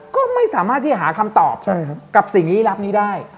ก็ไม่สามารถที่จะหาคำตอบกับสิ่งลี้ลับนี้ได้